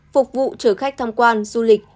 phục vụ trở khách tham quan du lịch